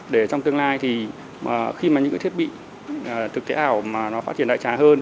để trong tương lai khi những thiết bị thực tế ảo phát triển đại trá hơn